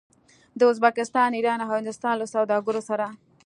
د ازبکستان، ایران او هندوستان له سوداګرو سره